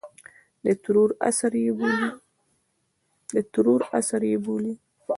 د ترور عصر یې بولي.